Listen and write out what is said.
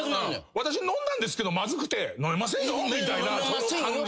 「私飲んだんですけどまずくて飲めませんよ」みたいな。